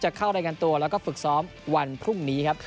เข้ารายงานตัวแล้วก็ฝึกซ้อมวันพรุ่งนี้ครับ